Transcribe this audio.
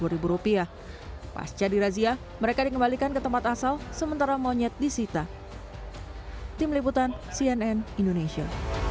pasca dirazia mereka dikembalikan ke tempat asal sementara monyet disita tim liputan cnn indonesia